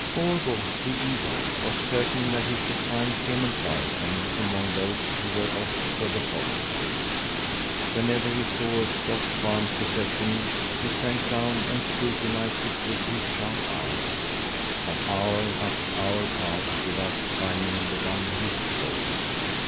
Gorgo, the eagle, was certain that he should find Clement Larsson among those who were off for the forest. Whenever he saw a stock farm procession, he sank down and scrutinized it with his sharp eyes; but hour after hour passed without his finding the one he sought.